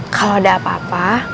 kalau ada apa apa